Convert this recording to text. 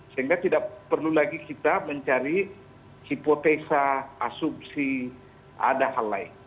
sehingga tidak perlu lagi kita mencari hipotesa asumsi ada hal lain